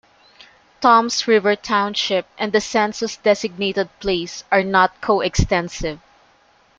Toms River Township and the census-designated place are not co-extensive.